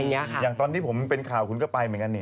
อย่างตอนที่ผมเป็นข่าวคุณก็ไปเหมือนกันนี่